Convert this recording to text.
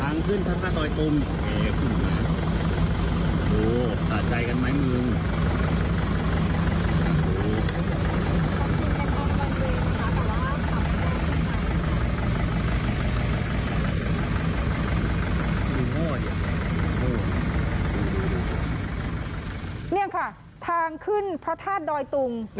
นี่ค่ะทางขึ้นพระธาตุดอยตุง